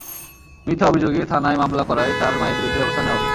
মিথ্যা অভিযোগে থানায় মামলা করায় তার মায়ের বিরুদ্ধে ব্যবস্থা নেওয়া হবে।